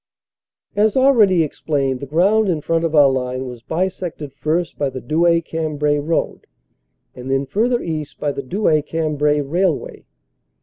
As already explained, the ground in front of our line was bisected first by the Douai Cambrai road, and then, further east, by the Douai Cambrai railway.